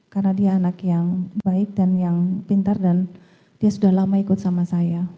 karena dia anak yang baik dan yang pintar dan dia sudah lama ikut sama saya